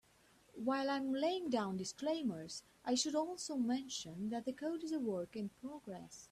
While I'm laying down disclaimers, I should also mention that the code is a work in progress.